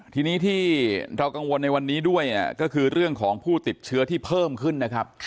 ทีนี้ที่เรากังวลในวันนี้ด้วยก็คือเรื่องของผู้ติดเชื้อที่เพิ่มขึ้นนะครับ